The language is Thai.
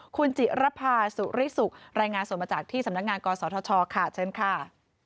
คุณจิรภาสุริสุขรายงานสดมาจากที่สำนักงานกศธชค่ะเชิญค่ะ